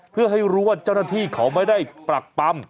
เพื่อให้รู้ว่าเจ้าหน้าที่เขาไม่ได้ปรักปำ